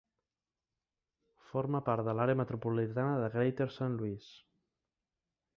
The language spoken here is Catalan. Forma part de l'àrea metropolitana de Greater Saint Louis.